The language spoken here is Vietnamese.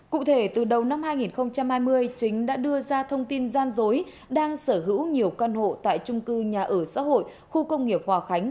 cụ thể từ đầu năm hai nghìn hai mươi chính đã đưa ra thông tin gian dối đang sở hữu nhiều căn hộ tại trung cư nhà ở xã hội khu công nghiệp hòa khánh